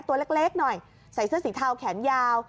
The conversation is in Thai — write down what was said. ตัวเล็กหน่อยใส่เสื้อสีเทาแขนยาว